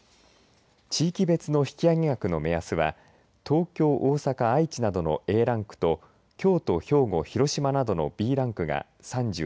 地域別の引き上げ額の目安は東京、大阪愛知などのＡランクと京都、兵庫広島などのＢランクが３１円